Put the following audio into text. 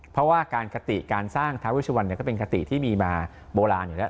เพราะว่าการคติการสร้างท้าเวชวันก็เป็นคติที่มีมาโบราณอยู่แล้ว